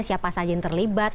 siapa saja yang terlibat